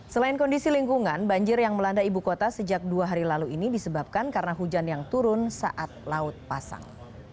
selain kondisi lingkungan banjir yang melanda ibu kota sejak dua hari lalu ini disebabkan karena hujan yang turun saat laut pasang